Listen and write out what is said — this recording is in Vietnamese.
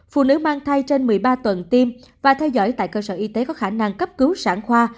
phụ nữ mang thai trên một mươi ba tuần tiêm và theo dõi tại cơ sở y tế có khả năng cấp cứu sản khoa